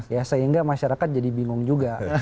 ya sehingga masyarakat jadi bingung juga